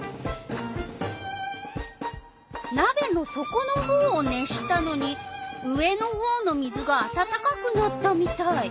なべのそこのほうを熱したのに上のほうの水があたたかくなったみたい。